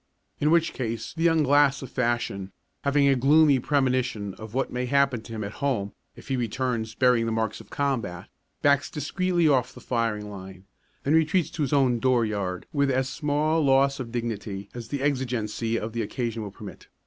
In which case the young glass of fashion, having a gloomy premonition of what may happen to him at home if he returns bearing the marks of combat, backs discreetly off the firing line, and retreats to his own dooryard with as small loss of dignity as the exigency of the occasion will permit.